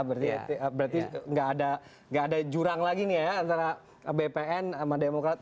berarti nggak ada jurang lagi nih ya antara bpn sama demokrat